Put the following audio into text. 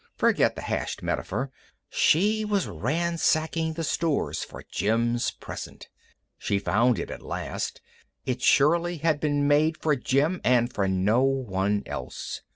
Forget the hashed metaphor. She was ransacking the stores for Jim's present. She found it at last. It surely had been made for Jim and no one else.